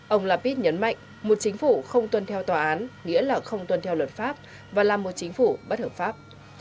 ông lapid nhấn mạnh một chính phủ không tuân theo tòa án nghĩa là không tuân theo luật pháp và làm một chính phủ bất hợp pháp